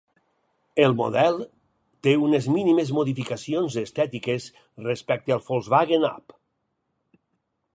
El model té unes mínimes modificacions estètiques respecte al Volkswagen up!